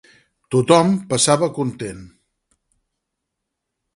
Tothom passava content.